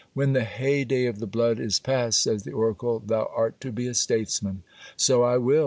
'When the heyday of the blood is past,' says the oracle, 'thou art to be a statesman.' So I will.